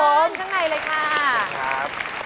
หอมข้างในเลยค่ะ